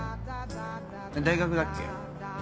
大学だっけ？